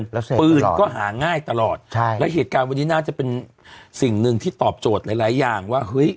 แล้วใช่ไหมปืนก็หาง่ายตลอดใช่แล้วเหตุการณ์วันนี้น่าจะเป็นสิ่งหนึ่งที่ตอบโจทย์หลายหลายอย่างว่าเฮ้ย